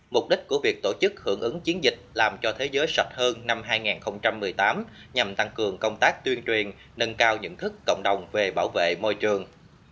mục đích của việc tổ chức hưởng ứng chiến dịch làm cho thế giới sạch hơn năm hai nghìn một mươi tám nhằm tăng cường công tác tuyên truyền nâng cao nhận thức cộng đồng về bảo vệ môi trường